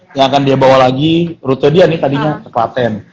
yang akan dia bawa lagi rute dia nih tadinya ke klaten